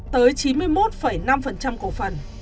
tới chín mươi một năm cổ phần